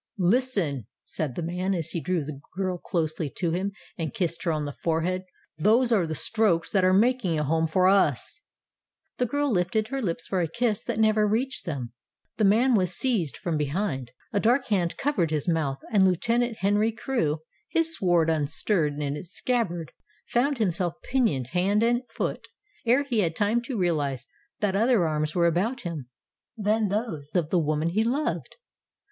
"Listen," said the man, as he drew the girl closely to him and kissed her on the forehead; "those are the strokes that are making a home for us." The girl lifted her lips for a kiss that never reached them. The man was seized from behind, a dark hand covered his mouth; and Lieutenant Henry Crewe, his sword unstirred in its scabbard, found himself pinioned hand and foot, ere he had time to realize that other arms were about him than those of the woman he loved.